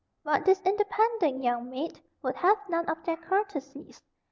But this independent young maid would have none of their courtesies.